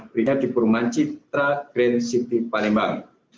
berikutnya di purman citra green city palembang